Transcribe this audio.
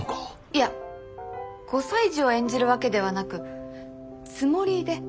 いや５歳児を演じるわけではなく「つもり」で。